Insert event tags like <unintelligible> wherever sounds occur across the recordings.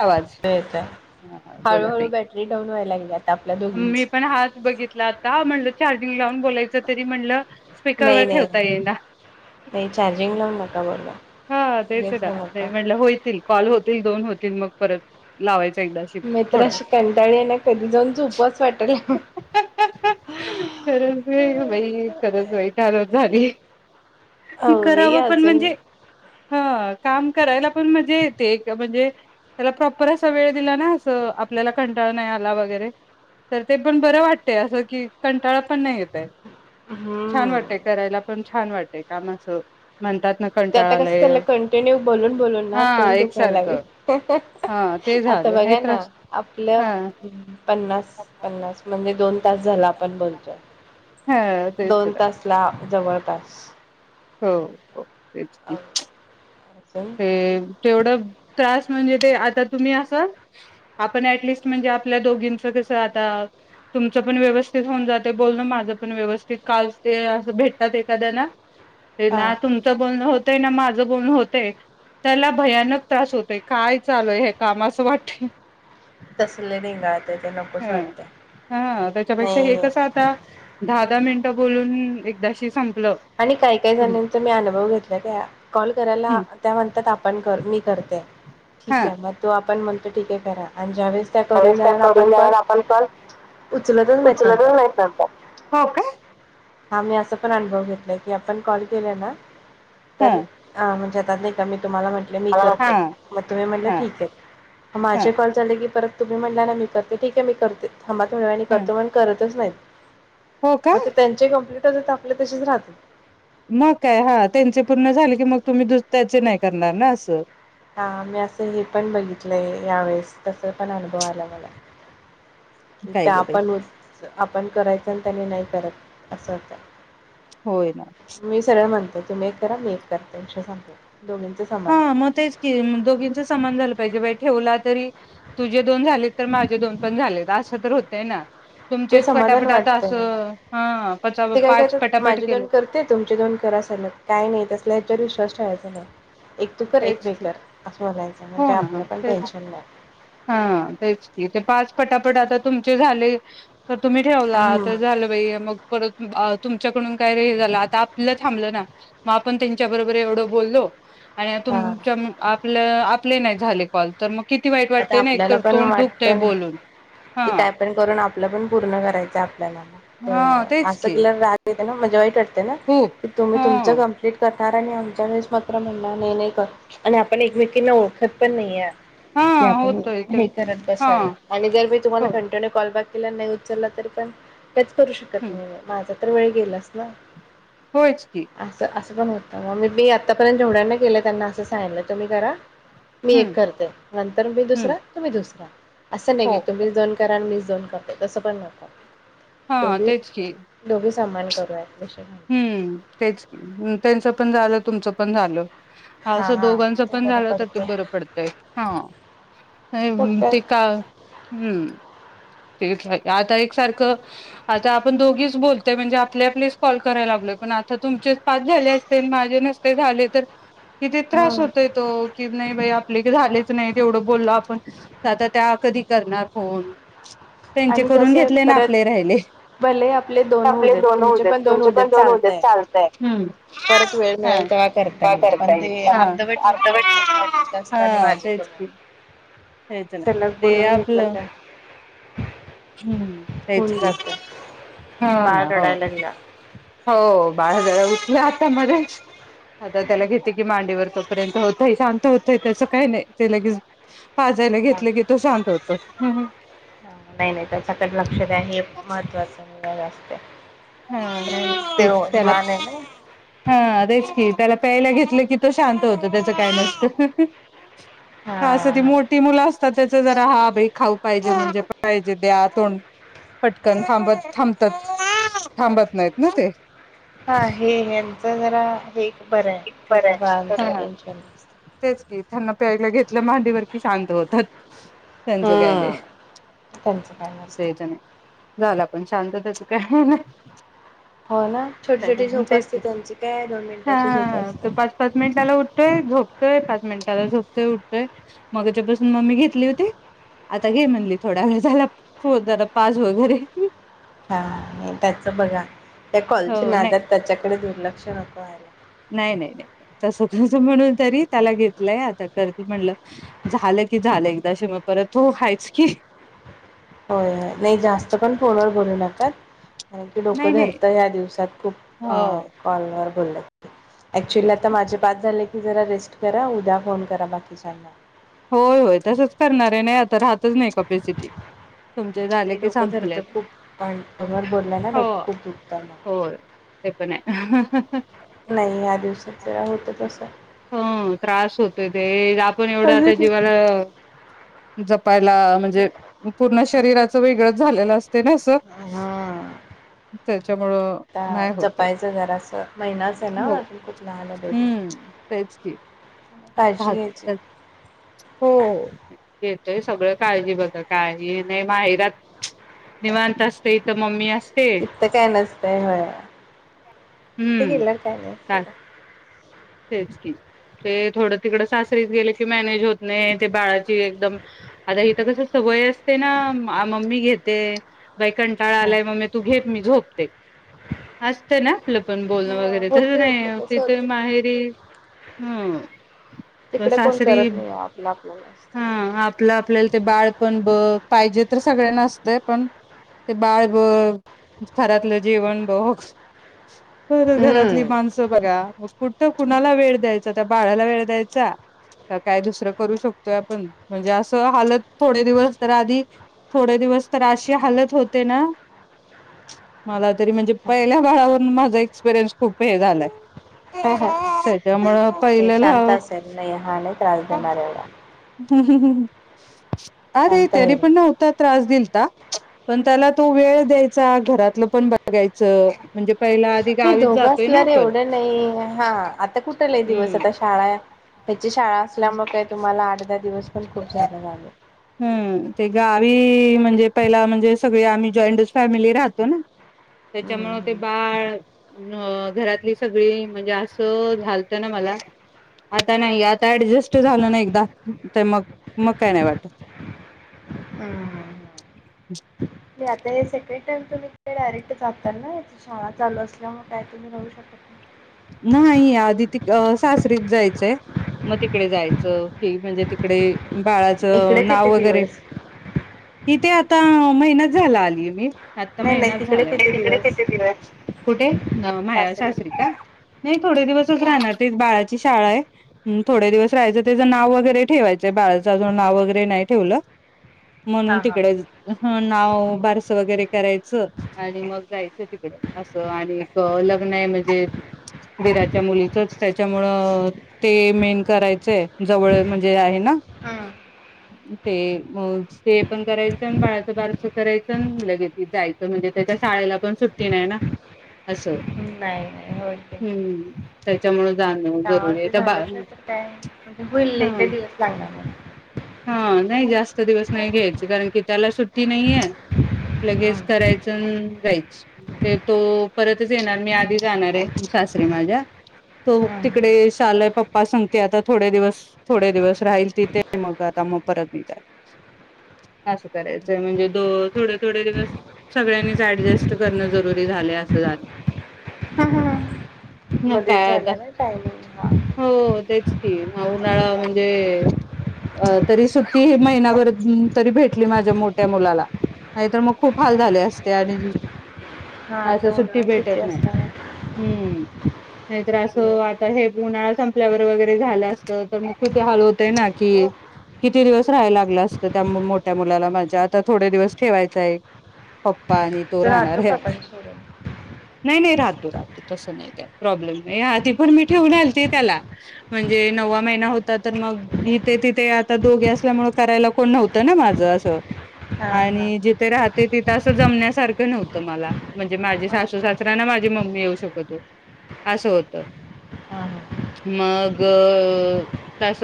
आवाज ते येतय हा हळू बोला हळू ताई बॅटरी डाऊन व्हाय <unintelligible> मी पण हाच बघितला आता म्हणलं चार्जिंग लावून बोलायच तरी म्हणलं स्पीकर नाही वर नाही ठेवता येई ना. नाही चार्जिंग <unintelligible> हा तेच लगेच हे नाय नका. म्हणल होय तरी कॉल होतील दोन होतील मग परत लावायच एकदाशी मी तर थोड अशी कंटाळी आहे ना कधी जाऊन झोपावंच वाटलं. खरय हूं बाई खरच बाई <unintelligible> झाली. ही अवई करावं पण अजून म्हणजे हा काम करायला पण मजा येते एक म्हणजे त्याला प्रॉपर असा वेळ दिला ना असं आपल्याला कंटाळा नाय आला वगैरे तर ते पण बरं वाटतय असं की कंटाळा पण नाय येत आहे छान हम्म. वाटतय करायला पण छान वाटतय काम असं म्हणतात ना कं ते आता कसं चाललंय कंटिन्यू बोलून बोलून ना हा तोड दुखायला लागेल. एकसारखं आह्, हा ते आता झालं नाही बघा ना त्रास आपलं हा पन्नास पन्नास म दोन तास झाला आपण बोलतोय हा तेच दोन ना तासला जवळ पास हो हो तेच की? अजून हे - तेवढं त्रास म्हणजे ते - आता तुम्ही अस आपण ऍटलिस्ट म्हणजे आपल्या दोघींच कस आता तुमचं पण व्यवस्थित होऊन जातय बोलण माझं पण व्यवस्थित काल ते अस भेटतात एखाद्याला हे हा ना तुमचं बोलणं होतय ना माझं? बोलण होतय त्याला भयानक त्रास होतोय काय चालूय हे काम असं वाटतय तसले ढेंगाळते ते नकोच हाह वाटते ह हा त्याच्यापेक्षा हे नाही कस आता दहा दहा मिन बोलून एकदाशी सं आणि काय काय जणींचा मी अनुभव घेतलाय, त्या कॉल करायला त्या म्हण? त्यात आपण मी करते ठीक आहे मग तु आपण म्हणतो ठीक ये करा आणि ज्या वेळेस त्या करून त्यावेळेस काय झाल्या, आपण करून कॉल जाणार आपण कॉल उचलतच नाहीत नंतर उचलतच नाहीत नंतर हो का हा मी अस पण अनुभव घेत नाही की आपण कॉल केला ना हा तर अ म्हणजे त्यातले कमी तुम्हाला म्हटले मी हा हा करते, मग तुम्ही म्हणाला ठीक आहे, हा माझे कॉल झाले की परत तुम्ही म्हणला ना मी करते ठीक आहे मी करते. थांबा थोड्या वेळाणी ह करतो पण करतच नाहीत? हो का मग ते त्यांची कप् आपल्या तसेच राहतात मग काय हा त्यांचे पूर्ण झाले की मग तुम्ही त्याचे नाही करणार ना असं हा मी असं हे पण बघितलंय यावेेळेस तस पण अनुभव आला मला काय त्या ग बाई पण, आपण करायचं त्यानी नाही करत असं होतय होय ना ते तुम्ही एक करा मी एक करते विषय संपला. दोघींच समान हां मग तेच की दोघींच समान झालं पाहिजे बाई? ठेवला तरी तुझे दोन झाले तर माझे दोन पण झालेत असं तर होतय ना, ते तुमचेच समाधान पटापट आता वाटतंय असं हा ते काय पाच करतात पटापट माझे केले दोन करते तुमचे दोन करा सलग काय नाही तसं ह्याच्यावर विश्वास ठेवायचा नाही. एक तू कर एक तेच मी की कर असं करायचा, म्हणजे आपलं पण टेन्शन नाही. हं तेच की ते पाच पटापट आता तुमचे झाले तर तुम्ही ठेवला हं, तर झालं बाई मग परत अ् तुमच्याकडून काय रे झालं आता आपलं थांबलं ना मग आपण त्यांच्याबरोबर एवढं बोललो. आणि हां तुमच्या म् आ् आपलं आपले नाही झाले कॉल, तर मग किती वाईट आता वाटते ना आपल्याला एकतर पण तोंड वाटत दुखतय ना बोलून हा कि काय पण करून आप् आपलं आपण पूर्ण करायचं आप् <unintelligible> हा तेच की वाईट वाट् त ना खूप तर तुम्ही हा तुमचं कंप्लीट कर् कारण आमच आम्हीच मात्र म्हणणार नाही, नाही गं आणि आपण एकमेकींना ओळखत पण नाही. हा की आपण होतोय ते हे करत हा बसायला आणि जर मी तुम्हांला हो कंटिन्यू कॉल बॅक केला नाही, उचलला तरी पण तेच करू शकत हम्म नाही, माझा तर वेळ केलास ना, होयच की, सहन पण होत नाही, म् मी बी आतापर्यंत जेवढ्यांना केलाय त्यांना असं सांगीतो तुम्ही करा. मी हम्म एक करते. नंतर मी हम्म दुसरा, तुम्ही दुसरा असं नाहीे की हो तुम्हीच दोन करा आणि ‌मी दोन करतोय कसं पण नव्हतं‌. हा तेच की समान करूया, हम्म तेच की हम त्यांच पण झालं तुमचं पण झालं. हा असं हा दोघांच ते पण बरं झालं तर ते पडते. बरं पडतय, हा मग काय ते का हुं तेच आता एक सारखं आता आपण दोघीच बोलततोय म्हणजे आपल्या आपल्याशी कॉल करायला लागलोय, पण आता तुमचेच पाच झाले असते नी माझे नसते झाले तर किती हा. त्रास होतय तो कि नाही बाई आपले झालेच नाही, एवढं बोलो आपण. आता त्या कधी करणार फोन त्यांचे आणि करून कसं आहे घेतले ना परत आपले राहिले भले आपले दोन होऊ आपले देत दोन होवू देत होऊ तुमचे पण दोन होवू देत चालतंय. चालतय, परत वेळ हा मिळेल तेव्हा करता काय येईल पण करताय ते येईल अर्धवट नको वाटतं तुमचं जास्त आणि अर्धवट माझे तेच की, कमी. <unintelligible> सलग ते बोलून आपलं तर काय हुं तेच होऊन की जातं हो बाळ ना हो रडायला लागला हो बाळा <unintelligible> या आता मगाश् आता त्याला घेते की मांडीवर तोपर्यंत हो <unintelligible> शांत होतोय तस काही नाही ते लगेच पाजायला काय? घेतलं की तो शांत होतो. हम् ह. नाही नाही त्याच्याकडे लक्ष द्या हे महत्त्वाचं अ असतय. हा नाही तेच त्याला, आहे ना हा तेच की त्याला प्यायला घेतलं की तो शांत होतो त्याच काय नसत. हा असं ती मोठी मुलं असतातच आता जरा हा बाई खाऊ पाहिजे म्हणजे पाहिजे द्या तोंड पटकन थांबत थांबतत <inaudible> थांबत नाहीत ना ते. हा हे <unintelligible> त जरा हे बरं हाय छोट्या बाळाचं हा टेन्शन तेच की त्यांना प्यायला घेतलं मांडीवर की शांत होतात. त्यांचं काय नाही हां त्यांच काय नसत. असयचं नाही झाला पण शांत त्याच काय नाय. हो ना छोटी छोटी झोप असते त्यांची काय दोन मिनिटांची झोप हा असते तो पाच पाच मिनिटाला उठतोय झोपतोय पा मिनटाला झोपतोय उठतोय मगाच्यापासून मम्मी घेतली होती आता घे म्हणली थोडा वेळ झाला <unintelligible> पाझ वगैरे हा त्याच बघा त्या कॉलच्या हो नाही नादात त्याच्याकडे दुरल चा उकळायला नाही नाही नाही तसं कस म्हणू तरी त्याला घेतलंय आता करते म्हणलं झालं की झालं एकदाशी म परत तो हायच की. होय होय नाही जास्त पण फोनवर बोलू नका कारण की डोक नाही नाही धरत या दिवसात खूप हो अं कॉल <inaudible> ऍक्चुअली तेच आता माझे पाच झाले की जरा रेस्ट करा उद्या फोन करा बाकीच्याांना. होय, होय तसच करणार आहे नाही आता राहत झाले नाही की डोक धरत संपले खूप बोलला ना हो डोक खूप दुखत मग होय ते पण आहे नाही या दिवसात जरा होत तसं. हं त्रास होतोय ते आपण एवढं आता जीवाला जप पायला म्हणजे पूर्ण शरीराचं वेगळंच झालेलं असतंय ना असं हा त्याच्यामुळं आता नाही होत हाय. जपायचं जरासं महिनाच आहे ना हो, अजून खूप लहान आहे बेबी हम्म. तेच की काळजी घ्यायची. राहत हो, ते सगळं काळजी बघ काळजी नाही माहेरात निवांत असते. इथ मम्मी अस तिथं काय नसतंय होय. तिथं हम्म गेल्यावर काय नाही का सोडा. तेच की, ते थोडं तिकड सासरीच गेले की मॅनेज होत नाही. ते बाळाची एकदम आता इथं कस सवय असते ना मम्मी घेते. बाई कंटाळा आलाय मम्मे तू घे मी झोपते असत ना? आपलं पण हो बोलणं वगैरे तसं होते होते नाही तसं होत तिथे माह हम्म. तिकडे कोण सासरी करत नाही आपलं आपल्याला हा आपलं आपल्याला ते बाळ पण बग पाहिजे तर सगळ्यांना असतंय, पण ते बाळ होय घरातलं जेवण बघ बर घरातली हम्म माणसं बघा मग कु ठ कुणाला वेळ द्यायचा. त्या बाळाला वेळ द्यायचा का काय दुसरं करू शकतोय आपण म्हणजे असं हालत थोडे दिवस तर आधी थोडे दिवस तर अशी हालत होते ना. मला तरी म्हणजे पहिल्या बाळावरून मा एक्सपिरयनस खूप हे झालाय. त्याच्यामुळं हे पहिल्याला शांत असेल नाही हा नई त्रास देणार एवढा <inaudible> अरे शांत तरी होईल पण नव्हता त्रास दिल पण त्याला तो वेळ द्यायचा, घरातल पण बघायचं म्हणजे पहिला आधी हे गावीच दोघं जातोय ना असल्यावर आपण एवढं नाही हा आता कुठ लई दिवस आता शाळा हाय. त्याची शाळा असल्यामुळं काही तुम्हाला आठ, दहा दिवस पण खूप झालं लागलं हम्म. ते गावी म्हणजे पहिला म्हणजे सगळे आम्ही जॉईंटच फॅमिली राहतो ना. त्याच्यामुळं ते बाळ अं घरातली सगळी म्हणजे असं झालतं ना मला, आता नाही यात ऍडजस्ट झालं ना एकदा, तर मग मग काय नाय वाटत. ऊं हूं हूं. नाही, आत्ता हे सेकंड टाईम तुम्ही तिकडे डायरेक्ट जाताल ना, याची शाळा चालू असल्यामुळे काय तुम्ही राहू शकत नाही. नाही. आधी तिथं सासरीच जायचंय, मग तिकडे जायचं म्हणजे तिकडे - नाही इकडे बाळाचं किती नाव वगैरे दिवस इथे आता महिनाच झाला, आलीय मी. आत्ता नाही नाही महिनाच तिकडे झालाय. मग तिकडे दिवस किती दिवस? कुठे? ग माहे सासरे सासरी का? नाही, थोडे दिवसच राहणार. ते बाळाची शाळा आहे. थोडे दिवस राहायचं, त्याचं नाव वगैरे ठेवायचंय. बाळाचं अजून नाव वगैरे नाही ठेवलं. म्हणून हा हा तिकडे नाव, बारसं वगैर करायचं आणि मग जायचं ति असं आणिक, लग्न आहे म्हणजे त्यामुळं ते मेन करायचंय, जवळय म्हणजे आहे ना? हम्म. ते ऊं, ते पण करायचं न् बाळाचं बारसं करायचं न् लगेच जायचं म्हणजे त्याच्या शाळेला पण सुट्टी नाही ना, असं. नाही नाही, होय. की हम्म त्याच्यामुळंच. त्यामुळे ते झालंच नाही तर काय म्हणजे होईल लय काही हं, दिवस लागणार नाही नाही जास्त दिवस नाही घ्यायचे. कारण की त्याला सुट्टी नाहीये, लगेच हम्म. करायच न् जायचं. तो परत तुझे येणार. मी आधी जाणार आहे. सासरी माझ्या. तो हम्म. तिकडे शालंय आता पप्पा सांगते आता थोडे दिवस, थोडे दिवस राहील तिथे. ते मग आता मग परत निघाल असं करायचंय. म्हणजे दो थोडे थोडे दिवस सगळ्यांनीच ऍडजस्ट करणं जरुरी झालंय, असं झालं. मग मध्येच काय आता, झाला ना टायमिंग हा हो तेच की, हा उन्हाळा म्हणजे त्यामुळे अ तरी सुट्टी ही महिनाभरच तरी भेटली माझ्या मोठ्या मुलाला. नाहीतर मग खूप हाल झाले असते. आणि हा असं आता उन्हाळा सुट्टी असणारय. हूं नाहीतर असं आता हे गुण उन्हाळा संपल्यावर वगैरे झालं असतं. तर मग किती हाल होतंय ना की, किती दिवस रहाय लागलं असतं त्या मोठ्या मुलाला माझ्या. आता थोडे दिवस ठेवायचाय. पाणी तो राहणार राहतो आहे आता. काकांना सोडून नाही नाही रहात तो रा तसं नाही काय, प्रॉब्लेम नाय. हा ती पण मी ठेवून आलते त्याला. म्हणजे नववा महिना होता तर मग इथे तिथे आता दोघे असल्यामुळे करायला कोण नव्हतं ना माझं असं. हा हा आणि जी ते राहते तिथं असं जमण्यासारखं नव्हतं मला म्हणजे माझी हा सासू सासरा ना माझी मम्मी अस होत हा मग तस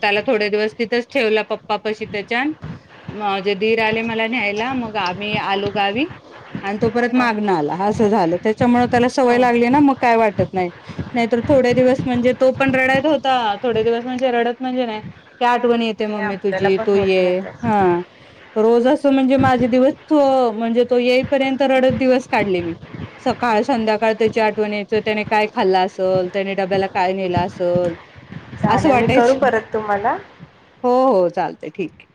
त्याला थोडे दिवस तिथच ठेवलं पप्पा पशी त्याच्यान माझे दीर आले. मला न्यायला मग आम्ही आलो. गावी आणि तो परत हो मागण आला असं झालं त्याच्यामुळे त्याला सवय हो लागली ना मग काय वाटत नाही नाहीतर थोडे दिवस म्हणजे तो पण रडत होता थोडे दिवस म्हणजे रडत म्हणजे नाही. आठवण येते नाही मम्मी आपल्याला तुझी पण तू होत नाही ये तसं हा. रोज असं म्हणजे माझे दिवस त म्हणजे तो येईपर्यंत रडत दिवस काढले मी सकाळ संध्याकाळ सकाळ त्याच्या आठवणीयायचं त्याने काय खाल्लं असेल त्याने डब्याला काय नेलं असल. असं चालेल मी करू वाटायचं परत तुम्हाला हो हो चालतंय ठीके.